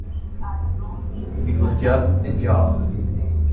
It was just a job.